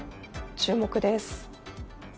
注目です。